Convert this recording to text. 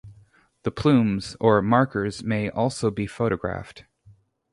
The plumes or markers may also be photographed.